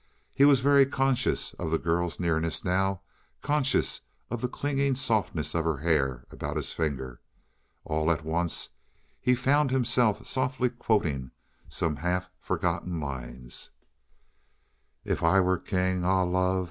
He was very conscious of the girl's nearness now conscious of the clinging softness of her hair about his fingers. And all at once he found himself softly quoting some half forgotten lines: "If I were king, ah, love!